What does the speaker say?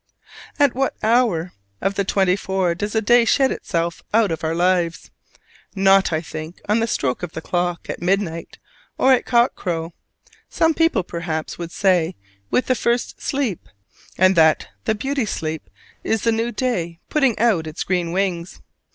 At what hour of the twenty four does a day shed itself out of our lives? Not, I think, on the stroke of the clock, at midnight, or at cock crow. Some people, perhaps, would say with the first sleep; and that the "beauty sleep" is the new day putting out its green wings.